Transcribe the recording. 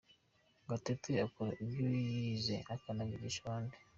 Gatete akora ibyo yize akanabyigisha abandi.